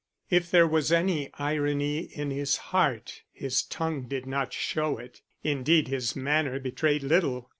If there was any irony in his heart, his tongue did not show it. Indeed his manner betrayed little.